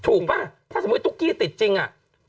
ป่ะถ้าสมมุติตุ๊กกี้ติดจริงอ่ะ